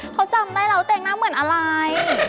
เขาจำได้แล้วว่าตัวเองน่าเหมือนอะไร